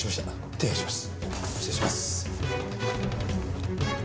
失礼します。